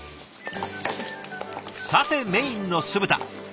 さてメインの酢豚。